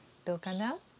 どうかな？